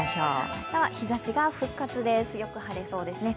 明日は日ざしが復活です、よく晴れそうですね。